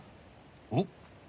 おっ。